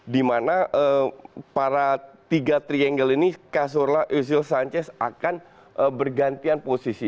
dimana para tiga triangle ini kasurla uzil sanchez akan bergantian posisi